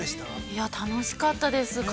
◆いや、楽しかったですよう。